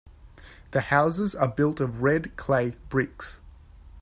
The houses are built of red clay bricks.